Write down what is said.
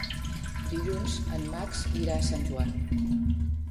Dilluns en Max irà a Sant Joan.